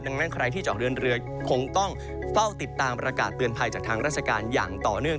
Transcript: ดังนั้นใครที่จะออกเดินเรือคงต้องเฝ้าติดตามประกาศเตือนภัยจากทางราชการอย่างต่อเนื่อง